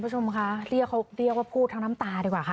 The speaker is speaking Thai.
ผู้ชมค่ะเรียกว่าพูดทั้งน้ำตาดีกว่าค่ะ